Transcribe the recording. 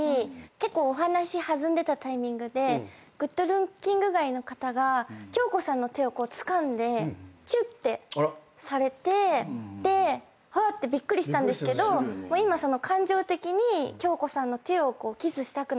結構お話弾んでたタイミングでグッドルッキングガイの方が恭子さんの手をつかんでチュッてされてうわってびっくりしたんですけど「今感情的に恭子さんの手をキスしたくなったんだ」